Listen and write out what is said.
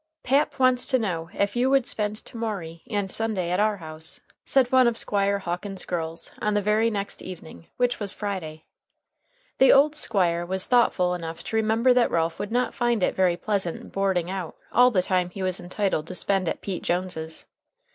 "Pap wants to know ef you would spend to morry and Sunday at our house?" said one of Squire Hawkins's girls, on the very next evening, which was Friday. The old Squire was thoughtful enough to remember that Ralph would not find it very pleasant "boarding out" all the time he was entitled to spend at Pete Jones's.